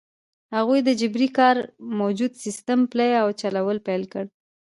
هغوی د جبري کار موجوده سیستم پلی او چلول پیل کړ.